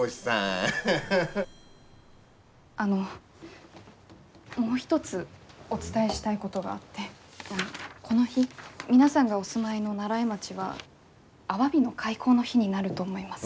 あのもう一つお伝えしたいことがあってこの日皆さんがお住まいの西風町はアワビの開口の日になると思います。